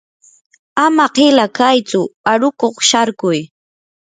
ama qila kaytsu aruqkuq sharkuy.